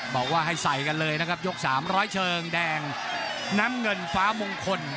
บอกว่าให้ใส่กันเลยนะครับยก๓๐๐เชิงแดงน้ำเงินฟ้ามงคล